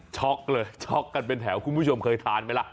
เลยช็อกกันเป็นแถวคุณผู้ชมเคยทานไหมล่ะ